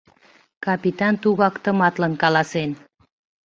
— капитан тугак тыматлын каласен.